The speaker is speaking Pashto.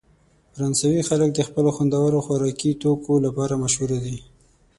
فرانسوي خلک د خپلو خوندورو خوراکي توکو لپاره مشهوره دي.